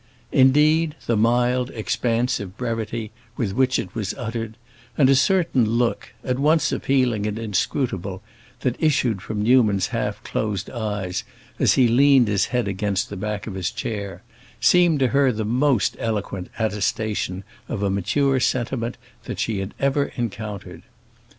Indeed, the mild, expansive brevity with which it was uttered, and a certain look, at once appealing and inscrutable, that issued from Newman's half closed eyes as he leaned his head against the back of his chair, seemed to her the most eloquent attestation of a mature sentiment that she had ever encountered.